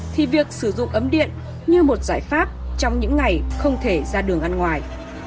thì việc sử dụng ấm điện như một giải pháp trong những ngày không thể ra đường ăn ngoài